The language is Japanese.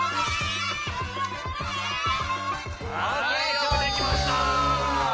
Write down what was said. よくできました。